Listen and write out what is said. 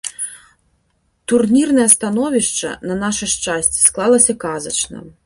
Турнірнае становішча, на наша шчасце, склалася казачна.